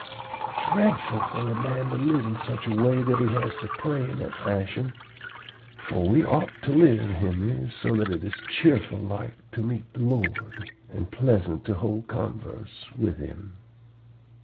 It's dreadful for a man to live in such a way that he has to pray in that fashion; for we ought to live, Henry, so that it is cheerful like to meet the Lord, and pleasant to hold converse with Him.